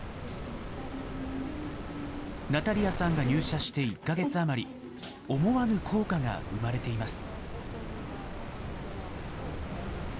ナタリアさんが入社して１か月余り、思わぬ効果が生まれています。